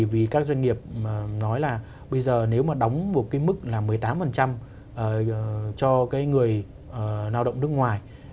vì các doanh nghiệp nói là bây giờ nếu mà đóng một cái mức là một mươi tám cho cái người lao động nước ngoài